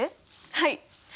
はい！